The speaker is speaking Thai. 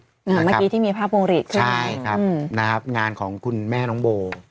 เมื่อกี้ที่มีภาพวงหลีดขึ้นใช่ครับนะครับงานของคุณแม่น้องโบ